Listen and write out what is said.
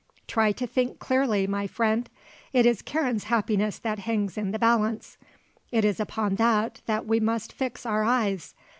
Try to think clearly, my friend. It is Karen's happiness that hangs in the balance. It is upon that that we must fix our eyes.